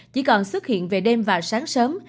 chỉ còn xuất hiện về đêm và sáng sớm